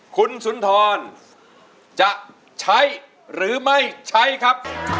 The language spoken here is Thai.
คุณสุนทรจะใช้หรือไม่ใช้ครับ